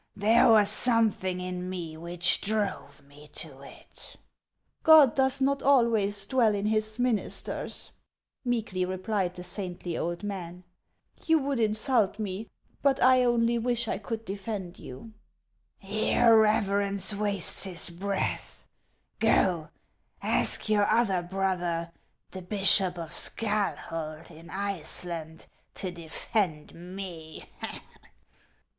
1 There was something m me which drove me to it." 41 God does not always dwell in his ministers/' meekly replied the saintly old man. " You would insult me, but I only wish I could defend you." 41 Your reverence waste* his breath, Gx> ask your other brother, the bishop of Scalhok. in Iceland, to defend me.